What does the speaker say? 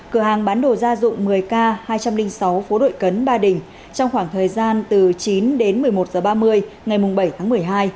cửa hàng bán đồ gia dụng một mươi k hai trăm linh sáu phố đội cấn ba đình trong khoảng thời gian từ chín đến một mươi một h ba mươi ngày bảy tháng một mươi hai